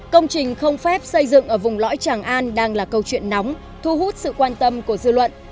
công trình không phép xây dựng ở vùng lõi tràng an đang là câu chuyện nóng thu hút sự quan tâm của dư luận